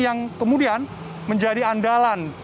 yang kemudian menjadi andalan